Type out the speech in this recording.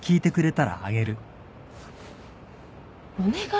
お願い？